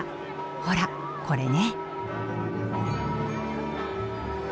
ほらこれね。